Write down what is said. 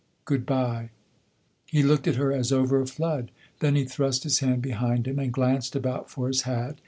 " Good bye." He looked at her as over a flood ; then he thrust his hand behind him and glanced about for his hat.